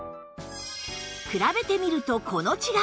比べてみるとこの違い